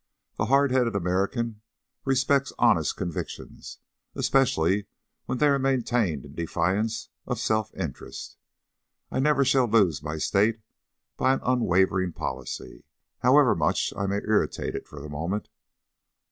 The hard headed American respects honest convictions, especially when they are maintained in defiance of self interest. I never shall lose my State by an unwavering policy, however much I may irritate it for the moment.